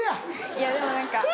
いやでも何か。